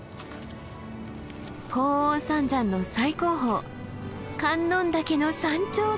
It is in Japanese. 鳳凰三山の最高峰観音岳の山頂だ。